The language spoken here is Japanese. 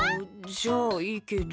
じゃあいいけど。